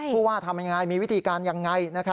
ผู้ว่าทำยังไงมีวิธีการยังไง